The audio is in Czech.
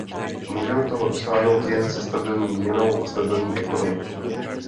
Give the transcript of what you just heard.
Můžeme toho dosáhnout jen se stabilní měnou a stabilní ekonomikou.